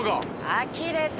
あきれた。